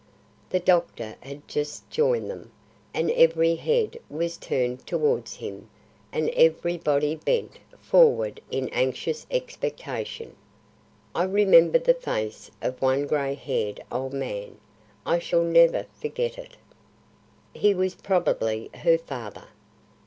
The doctor had just joined them, and every head was turned towards him and every body bent forward in anxious expectation. I remember the face of one grey haired old man. I shall never forget it. He was probably her father.